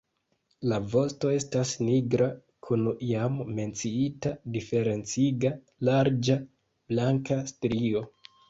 La vosto estas nigra kun jam menciita diferenciga larĝa blanka strio.